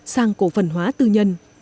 sang cổ phần hóa tư nhân